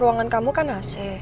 ruangan kamu kan ac